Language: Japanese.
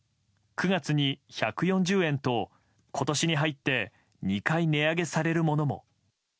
９月に１４０円と今年に入って２回値上げされるものも。